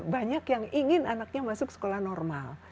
banyak yang ingin anaknya masuk sekolah normal